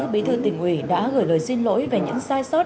bí thư tỉnh ủy đã gửi lời xin lỗi về những sai sót